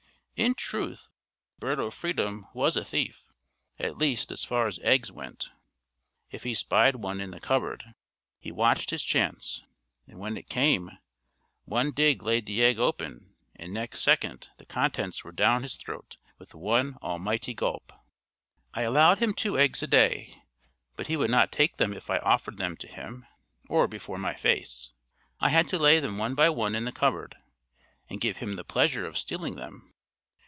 In truth, Bird o' freedom was a thief, at least, as far as eggs went. If he spied one in the cupboard, he watched his chance, and when it came, one dig laid the egg open, and next second the contents were down his throat with one almighty gulp. I allowed him two eggs a day, but he would not take them if I offered them to him, or before my face; I had to lay them one by one in the cupboard, and give him the pleasure of stealing them.